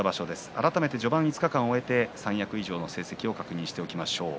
改めて序盤５日間を終えて三役以上の成績を確認しておきましょう。